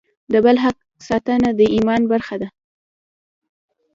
د بل حق ساتنه د ایمان برخه ده.